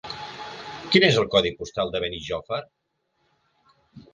Quin és el codi postal de Benijòfar?